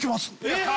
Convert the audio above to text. えっ！